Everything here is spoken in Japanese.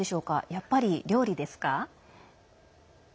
やっぱり料理ですか？